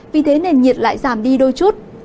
vì thế nền nhiệt lại giảm đi đôi chút